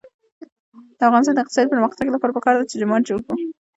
د افغانستان د اقتصادي پرمختګ لپاره پکار ده چې جومات جوړ کړو.